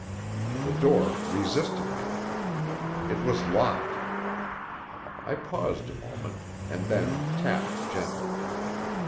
The door resisted me: it was locked. I paused a moment, and then tapped gently.